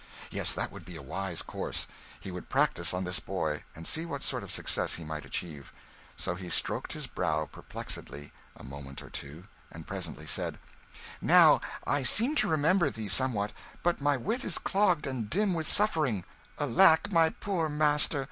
Yes, that would be a wise course he would practise on this boy, and see what sort of success he might achieve. So he stroked his brow perplexedly a moment or two, and presently said "Now I seem to remember thee somewhat but my wit is clogged and dim with suffering " "Alack, my poor master!"